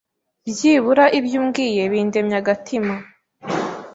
Byibura ibyo umbwiye bindemye agatima,